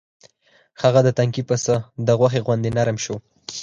هغه د تنکي پسه د غوښې غوندې نرم شو.